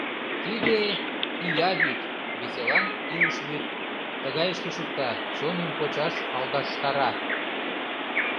Тиде ия вӱд, весылан — илыш вӱд, тыгайышке шукта, чоным почаш алгаштара.